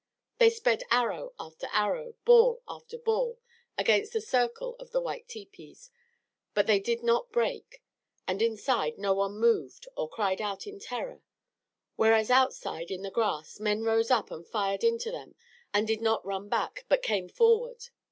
They sped arrow after arrow, ball after ball, against the circle of the white tepees, but they did not break, and inside no one moved or cried out in terror; whereas outside, in the grass, men rose up and fired into them and did not run back, but came forward.